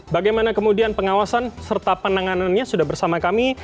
bagaimana kemudian pengawasan serta penanganannya sudah bersama kami